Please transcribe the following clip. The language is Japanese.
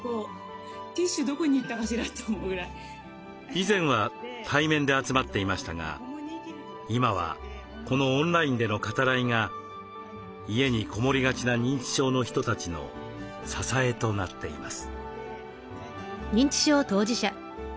以前は対面で集まっていましたが今はこのオンラインでの語らいが家にこもりがちな認知症の人たちの支えとなっています。